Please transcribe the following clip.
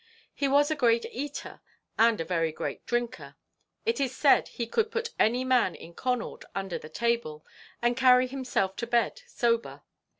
He was a great eater, and a very great drinker; it is said he could put any man in Connaught under the table, and carry himself to bed sober.